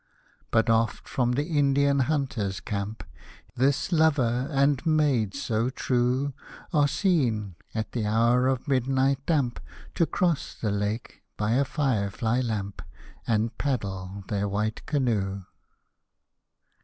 But oft, from the Indian hunter's camp, This lover and maid so true Are seen, at the hour of midnight damp, To cross the Lake by a fire fly lamp, And paddle their white canoe